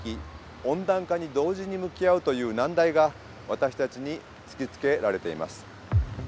温暖化に同時に向き合うという難題が私たちに突きつけられています。